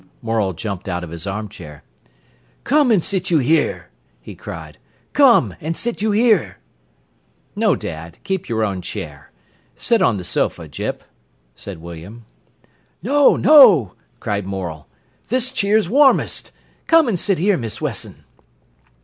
Morel jumped out of his armchair. "Come and sit you here!" he cried. "Come and sit you here!" "No, dad, keep your own chair. Sit on the sofa, Gyp," said William. "No, no!" cried Morel. "This cheer's warmest. Come and sit here, Miss Wesson."